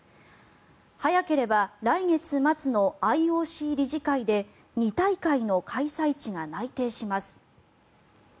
早ければ来月末のＩＯＣ理事会で２大会の開催地が内定します。